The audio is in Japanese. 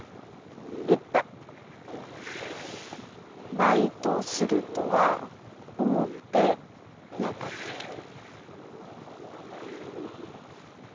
バイトするとは思ってなかったけど。